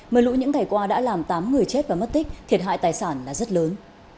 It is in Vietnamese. mờ lũ những ngày qua đã làm tám người chết và mất tích thiệt hại tài sản là rất lớn